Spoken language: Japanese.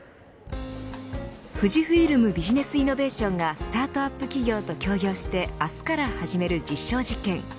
富士フイルムビジネスイノベーションがスタートアップ企業と協業して明日から始める実証実験。